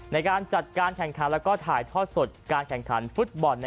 ในการจัดการแข่งค้าและถ่ายทอดสดการแข่งค้าฟุตบอล